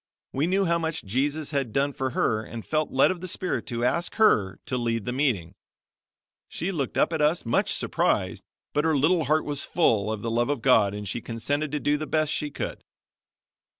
We knew how much Jesus had done for her and felt led of the Spirit to ask her to lead the meeting. She looked up at us much surprised but her little heart was full of the love of God and she consented to do the best she could.